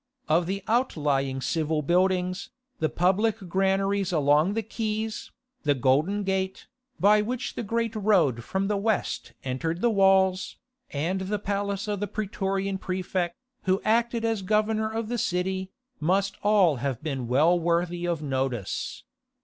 Of the outlying civil buildings, the public granaries along the quays, the Golden Gate, by which the great road from the west entered the walls, and the palace of the praetorian praefect, who acted as governor of the city, must all have been well worthy of notice.